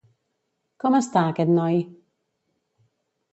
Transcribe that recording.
Com està, aquest noi?